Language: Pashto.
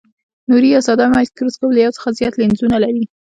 نوري یا ساده مایکروسکوپ له یو څخه زیات لینزونه لري.